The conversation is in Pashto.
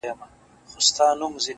چي هغه زه له خياله وباسمه _